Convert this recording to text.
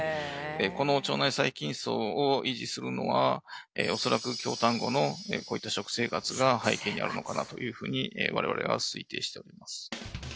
この腸内細菌叢を維持するのは恐らく京丹後のこういった食生活が背景にあるのかなというふうに我々は推定しております